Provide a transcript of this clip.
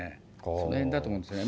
そのへんだと思うんですよね。